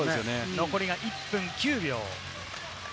残り１分９秒。